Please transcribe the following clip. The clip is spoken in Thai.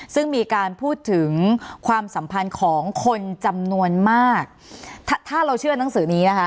ซึ่งมีการพูดถึงความสัมพันธ์ของคนจำนวนมากถ้าถ้าเราเชื่อหนังสือนี้นะคะ